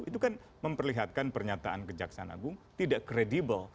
itu kan memperlihatkan pernyataan ke jaksa agung tidak kredibel